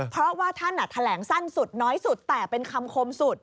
เพราะว่าท่านแถลงสั้นสุดน้อยสุดแต่เป็นคำคมสุด